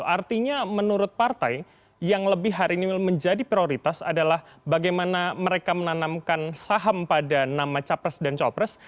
artinya menurut partai yang lebih hari ini menjadi prioritas adalah bagaimana mereka menanamkan saham pada nama capres dan copres